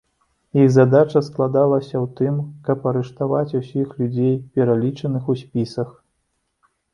Іх задача складалася ў тым, каб арыштаваць усіх людзей, пералічаных у спісах.